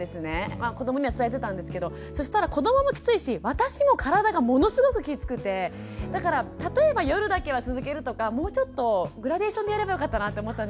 子どもには伝えてたんですけどそしたら子どももきついし私も体がものすごくきつくてだから例えば夜だけは続けるとかもうちょっとグラデーションでやればよかったなって思ったんですよね。